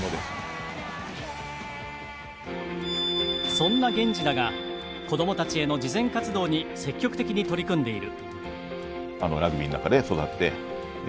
そんなゲンジだが子どもたちへの慈善活動に積極的に取り組んでいる。